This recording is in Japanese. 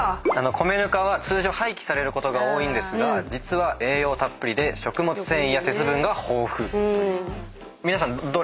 米ぬかは通常廃棄されることが多いんですが実は栄養たっぷりで食物繊維や鉄分が豊富という。